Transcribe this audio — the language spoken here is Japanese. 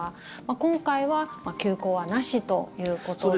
今回は、休校はなしということで。